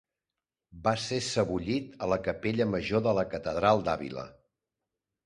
Va ser sebollit a la capella major de la catedral d'Àvila.